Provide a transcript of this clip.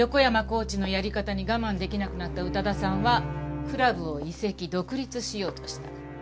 コーチのやり方に我慢できなくなった宇多田さんはクラブを移籍独立しようとした。